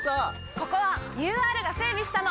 ここはＵＲが整備したの！